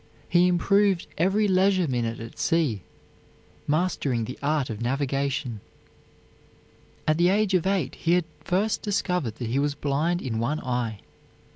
He improved every leisure minute at sea, mastering the art of navigation. At the age of eight he had first discovered that he was blind in one eye.